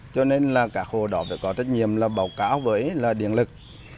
cho nên là các hồ đó phải có trách nhiệm là báo cáo với điện lực